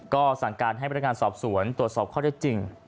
ก็สั่งการให้พนักงานสอบสวนตรวจสอบข้อได้จริง